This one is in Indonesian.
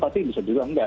tapi bisa juga enggak